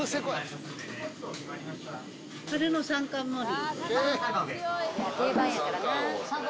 春の三貫盛り。